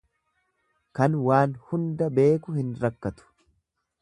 Kan waan hunda beeku hin rakkatu.